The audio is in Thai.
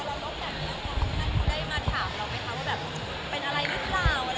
ท่านก็ได้มาถามเราไหมคะว่าเป็นอะไรรึเปล่า